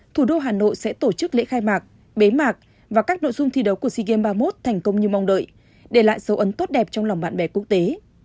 thủ đô hà nội sẽ tổ chức lễ khai mạc bế mạc và các nội dung thi đấu của sea games ba mươi một thành công như mong đợi để lại dấu ấn tốt đẹp trong lòng bạn bè quốc tế